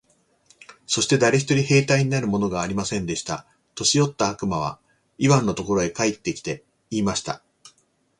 そして誰一人兵隊になるものがありませんでした。年よった悪魔はイワンのところへ帰って来て、言いました。